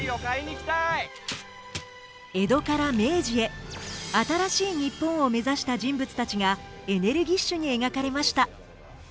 江戸から明治へ新しい日本を目指した人物たちがエネルギッシュに描かれました。